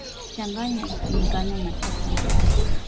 changanya ngano na chapa mandaashi